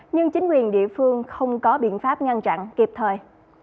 nhưng chính quyền địa phương không có biện pháp ngăn chặn kịp thời